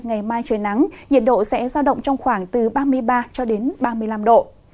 ngày mai trời nắng nhiệt độ sẽ giao động trong khoảng từ ba mươi ba ba mươi năm độ